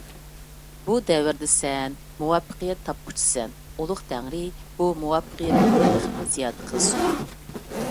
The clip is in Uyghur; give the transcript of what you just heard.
بۇ دەۋردە سەن مۇۋەپپەقىيەت تاپقۇچىسەن. ئۇلۇغ تەڭرى بۇ مۇۋەپپەقىيىتىڭنى تېخىمۇ زىيادە قىلسۇن.